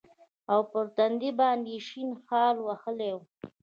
او پر تندي باندې يې شين خال وهلى و.